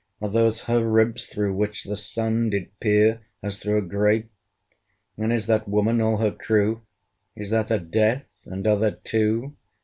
Are those her ribs through which the Sun Did peer, as through a grate? And is that Woman all her crew? Is that a DEATH? and are there two?